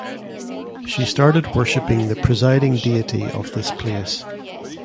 She started worshipping the presiding deity of this place.